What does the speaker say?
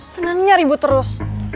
senangnya ribut terus